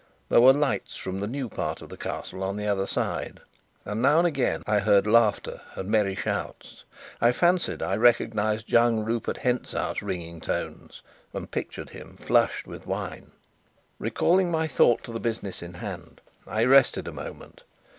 There were lights from the new part of the Castle on the other side, and now and again I heard laughter and merry shouts. I fancied I recognized young Rupert Hentzau's ringing tones, and pictured him flushed with wine. Recalling my thoughts to the business in hand, I rested a moment.